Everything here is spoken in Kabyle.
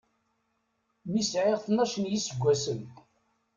Mi sɛiɣ tnac n yiseggasen.